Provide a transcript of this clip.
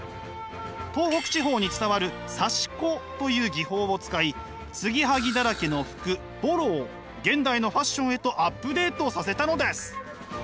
東北地方に伝わる刺し子という技法を使い継ぎはぎだらけの服襤褸を現代のファッションへとアップデートさせたのです！